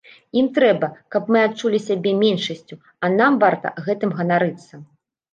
Ім трэба, каб мы адчулі сябе меншасцю, а нам варта гэтым ганарыцца.